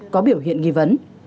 có biểu hiện nghi vấn